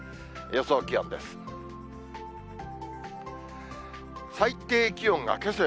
予想気温です。